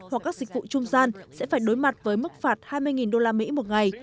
hoặc các dịch vụ trung gian sẽ phải đối mặt với mức phạt hai mươi đô la mỹ một ngày